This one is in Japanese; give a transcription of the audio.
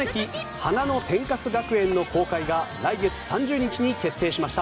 花の天カス学園」の公開が来月３０日に決定しました！